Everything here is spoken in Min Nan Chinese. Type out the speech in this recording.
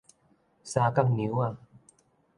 三角娘仔